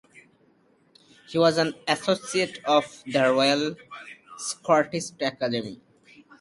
He was an associate of the Royal Scottish Academy.